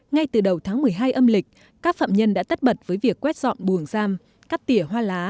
ngay từ đầu tháng một mươi hai âm lịch các phạm nhân đã tất bật với việc quét dọn bùa giam cắt tỉa hoa lá